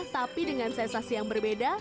tapi dengan sensasi yang berbeda